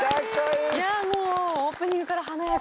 いやもうオープニングから華やか。